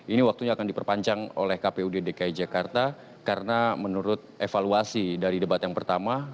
ini waktunya akan diperpanjang oleh kpud dki jakarta karena menurut evaluasi dari debat yang pertama